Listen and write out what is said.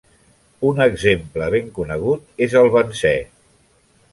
Un exemple ben conegut és el benzè.